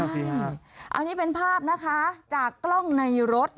ใช่ครับเอานี่เป็นภาพนะคะจากกล้องในรถ